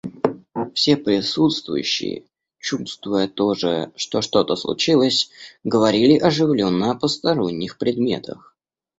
Все присутствующие, чувствуя тоже, что что-то случилось, говорили оживленно о посторонних предметах.